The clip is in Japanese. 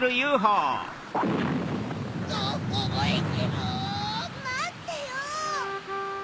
まってよ！